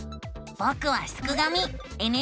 ぼくはすくがミ。